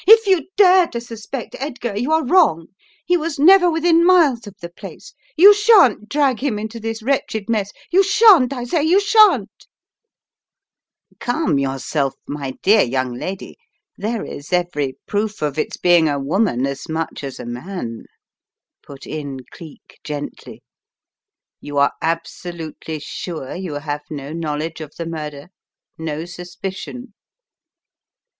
"If you dare to suspect Edgar, you are wrong. He was never within miles of the place ! You shan't drag him into this wretched mess, ▼ou shan't, I say, you shan't " "Calm yourself, my dear young lady; there is every The Woman in the Case 135 proof of its being a woman as much as a man," put in Cleek gently. "You are absolutely sure you have no knowledge of the murder, no suspicion?"